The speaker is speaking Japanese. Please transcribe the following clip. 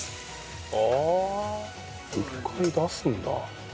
ああ一回出すんだ。